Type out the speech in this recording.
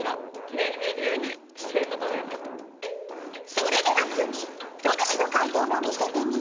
それでは角お主の解答も見せてみよ。